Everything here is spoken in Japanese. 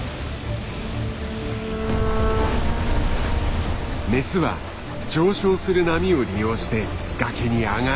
メスは上昇する波を利用して崖に上がろうとしている。